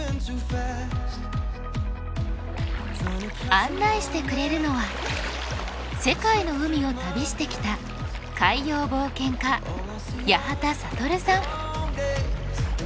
案内してくれるのは世界の海を旅してきた海洋冒険家八幡暁さん。